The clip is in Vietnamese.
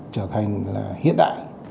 trở thành hiện đại